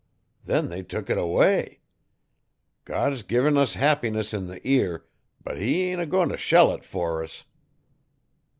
Then they tuk it away. God's gin us happiness in the ear, but He ain't a goin' t' shell it fer us.